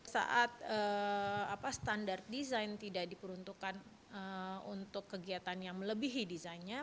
saat standar desain tidak diperuntukkan untuk kegiatan yang melebihi desainnya